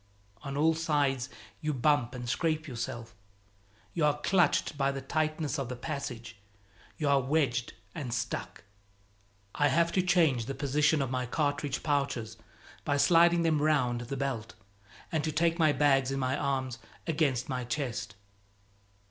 On all sides you bump and scrape yourself, you are clutched by the tightness of the passage, you are wedged and stuck. I have to change the position of my cartridge pouches by sliding them round the belt and to take my bags in my arms against my chest.